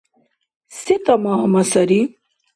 Се тӀама-гьама сари?